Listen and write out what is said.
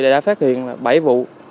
đã phát hiện bảy vụ